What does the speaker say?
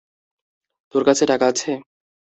তোর কাছে টাকা আছে?